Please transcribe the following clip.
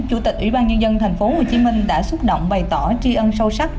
chủ tịch ủy ban nhân dân tp hcm đã xúc động bày tỏ tri ân sâu sắc